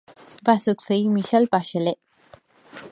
Va succeir Michelle Bachelet.